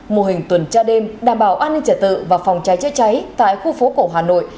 mô hình tuần tra đêm đảm bảo an ninh trả tự và phòng cháy chữa cháy tại khu phố cổ hà nội